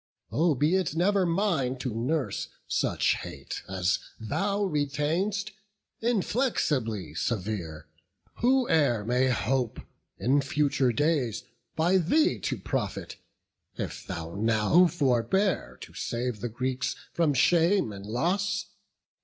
Oh, be it never mine to nurse such hate As thou retain'st, inflexibly severe! Who e'er may hope in future days by thee To profit, if thou now forbear to save The Greeks from shame and loss?